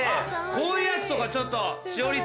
こういうやつとかちょっと。